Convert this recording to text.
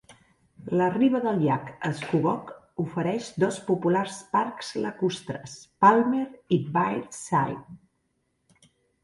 La riba del llac Scugog ofereix dos populars parcs lacustres, Palmer i Birdseye.